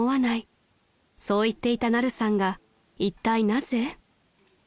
［そう言っていたナルさんが一体なぜ？］